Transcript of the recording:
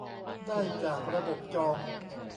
ได้จากระบบจอง